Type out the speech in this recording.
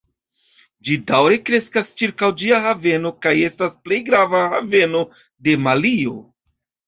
Ĝi daŭre kreskas ĉirkaŭ ĝia haveno kaj estas plej grava haveno de Malio.